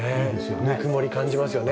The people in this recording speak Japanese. ぬくもり感じますよね。